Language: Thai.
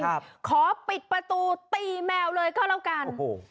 ขอปิดประตูตีแมวเลยก็แล้วกันโอ้โห